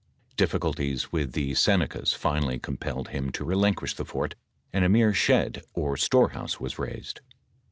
DiflSculties wfth the Senecas finally compelled him to relin quish the fort, and a mere shed or storehouse was raised.